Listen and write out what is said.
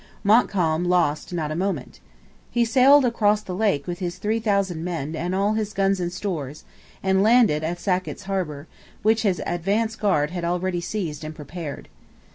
Montcalm lost not a moment. He sailed across the lake with his 3,000 men and all his guns and stores, and landed at Sackett's Harbour, which his advance guard had already seized and prepared.